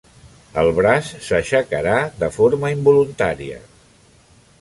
El braç s"aixecarà de forma involuntària.